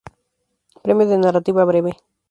Premio de narrativa breve